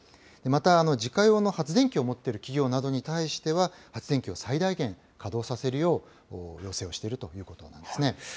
また自家用の発電機を持っている企業などに対しては、発電機を最大限稼働させるよう要請をしているということなんですね。